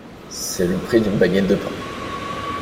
C’est le prix d’une baguette de pain.